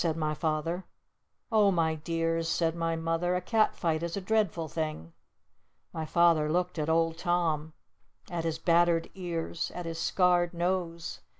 said my Father. "Oh my dears," said my Mother. "A cat fight is a dreadful thing!" My Father looked at the Old Tom! At his battered ears! At his scarred nose!